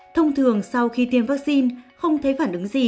thông thường sau khi tiêm vaccine không thấy phản ứng gì